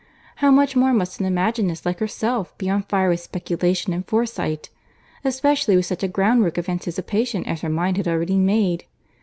—How much more must an imaginist, like herself, be on fire with speculation and foresight!—especially with such a groundwork of anticipation as her mind had already made.